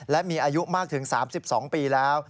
และมีอายุมากถึง๓๒ปีแล้ว